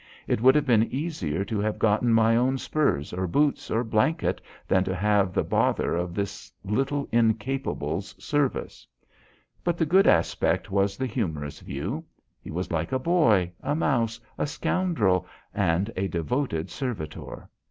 It would have been easier to have gotten my own spurs or boots or blanket than to have the bother of this little incapable's service. But the good aspect was the humorous view. He was like a boy, a mouse, a scoundrel, and a devoted servitor.